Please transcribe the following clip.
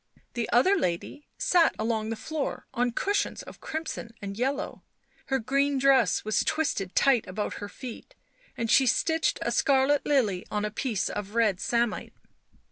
The other lady sat along the floor on cushions of crimson and yellow; her green dress was twisted tight about her feet and she stitched a scarlet lily on a piece of red samite.